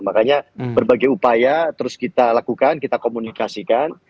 makanya berbagai upaya terus kita lakukan kita komunikasikan